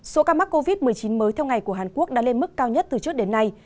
số ca mắc covid một mươi chín mới theo ngày của hàn quốc đã lên mức cao nhất từ trước đến nay